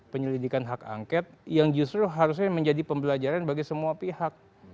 penyelidikan hak angket yang justru harusnya menjadi pembelajaran bagi semua pihak